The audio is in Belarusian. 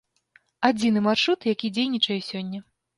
Адзіны маршрут, які дзейнічае сёння.